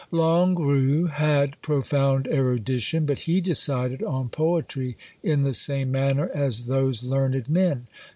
Longuerue had profound erudition; but he decided on poetry in the same manner as those learned men.